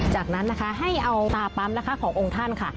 จากนั้นนะคะให้เอาตาปั๊มนะคะขององค์ท่านค่ะ